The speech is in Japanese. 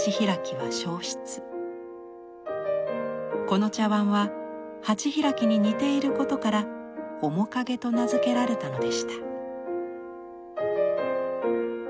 この茶碗は「鉢開」に似ていることから「面影」と名付けられたのでした。